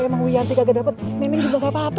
kalau emang nyobianti kagak dapet neneng juga gak apa apa